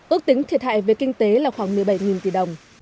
ước tính thiệt hại về kinh tế là khoảng một mươi bảy tỷ đồng